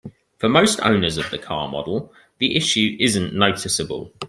For most owners of the car model, the issue isn't noticeable.